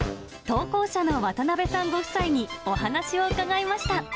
投稿者の渡邉さんご夫妻にお話を伺いました。